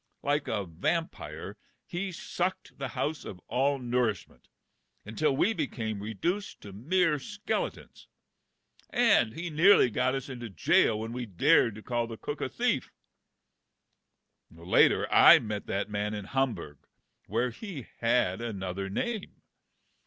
Like a vampire, me sucked the hous^ of all nourishment, until we became reduced to mere skeletons /— and he nearly got us into jail when we dared to call the cook a thief^ Later I met that man in Hamburg, where he had another name.